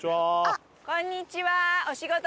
こんにちは！